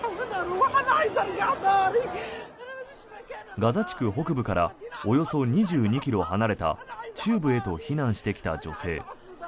ガザ地区北部からおよそ２２ｋｍ離れた中部へと避難してきた女性。